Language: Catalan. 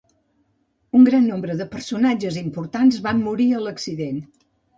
Un gran nombre de personatges importants van morir a l'accident.